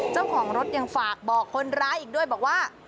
เจ้าของรถยังฝากบอกคนร้ายอีกด้วยบอกว่า